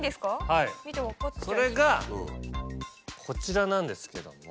はいそれがこちらなんですけども。